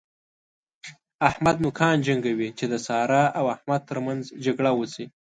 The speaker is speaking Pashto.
احمد نوکان جنګوي چې د سارا او احمد تر منځ جګړه وشي.